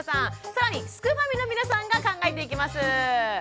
更にすくファミの皆さんが考えていきます。